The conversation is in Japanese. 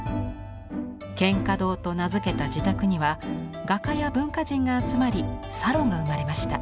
「蒹葭堂」と名付けた自宅には画家や文化人が集まりサロンが生まれました。